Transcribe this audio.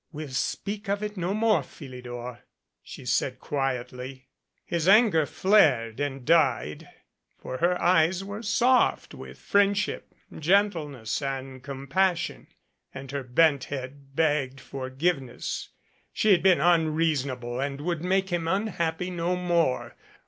"We'll speak of it no more, Philidor," she said quietly. His anger flared and died ; for her eyes were soft with friendship, gentleness and compassion, and her bent head begged forgiveness. She had been unreasonable and would make him unhappy no more.